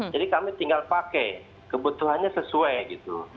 jadi kami tinggal pakai kebutuhannya sesuai gitu